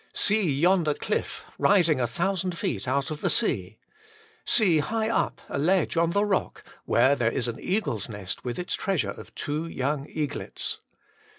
See yonder cliff rising a thousand feet out of the sea. See high up a ledge on the rock, where there is an eagle's nest with its treasure of two young eaglets.